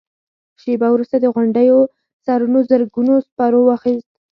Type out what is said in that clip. شېبه وروسته د غونډيو سرونو زرګونو سپرو واخيست.